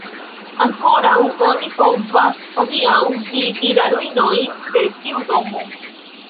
Ankoraŭ oni povas hodiaŭ vidi la ruinojn de tiu domo.